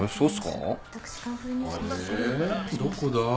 どこだ？